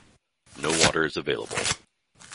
No water is available.